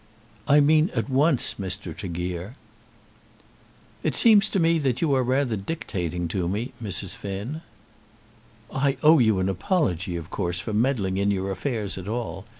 "I mean at once, Mr. Tregear." "It seems to me that you are rather dictating to me, Mrs. Finn." "I owe you an apology, of course, for meddling in your affairs at all.